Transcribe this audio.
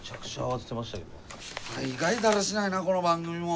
大概だらしないなあこの番組も。